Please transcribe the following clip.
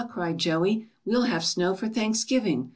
cried Joey, ^Ve'll have snow for Thanksgiving.